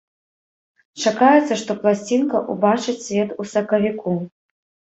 Чакаецца, што пласцінка ўбачыць свет у сакавіку.